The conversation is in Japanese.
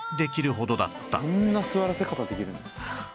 こんな座らせ方できるんだ。